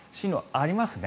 ありますね。